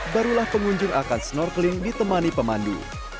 barulah pengunjung akan snorkeling ditemani pemandu